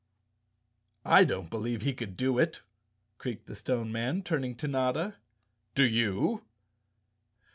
"I don't believe he could do it," creaked the Stone Man, turning to Notta. "Do you?"